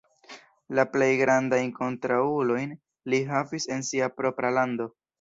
La plej grandajn kontraŭulojn li havis en sia propra lando.